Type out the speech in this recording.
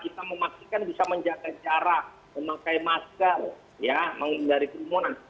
kita memastikan bisa menjaga jarak memakai masker ya menghindari kerumunan